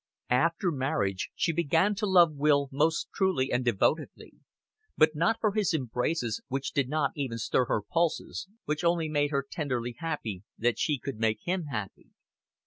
After marriage she began to love Will most truly and devotedly but not for his embraces, which did not even stir her pulses, which only made her tenderly happy that she could make him happy.